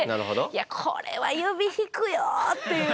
いやこれは指弾くよっていう。